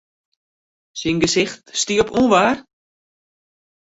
Syn gesicht stie op ûnwaar.